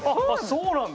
そうなんだ。